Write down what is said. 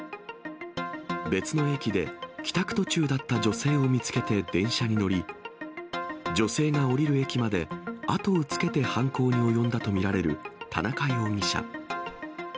別の駅で、帰宅途中だった女性を見つけて電車に乗り、女性が降りる駅まで後をつけて犯行に及んだと見られる田中容疑者。